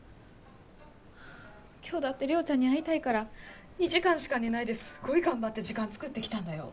はぁ今日だって涼ちゃんに会いたいから２時間しか寝ないですごい頑張って時間つくって来たんだよ？